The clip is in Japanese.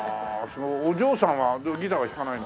お嬢さんはギターは弾かないの？